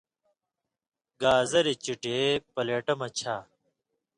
گازریۡ چِٹے پلیٹہ مہ چھا۔